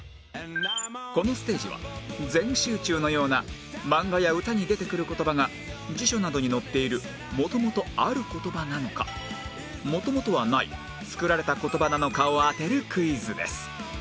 このステージは「全集中」のようなマンガや歌に出てくる言葉が辞書などに載っている元々ある言葉なのか元々はない作られた言葉なのかを当てるクイズです